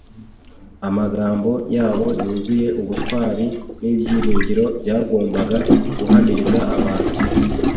amagambo yabo yuzuye ubutwari n’ibyiringiro byagombaga guhamiriza abantu